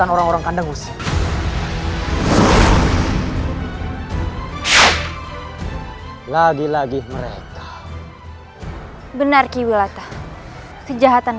saya akan bikin orang yang jahat